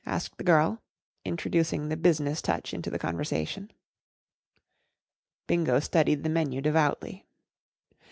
r * asked the girl, introducing the business touch into the conversation* Bingo studied the menu devoutly.